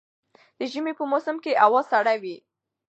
د ژمي په موسم کي هوا سړه وي